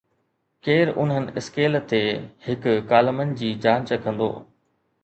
ڪير انهن اسڪيل تي هڪ ڪالمن جي جانچ ڪندو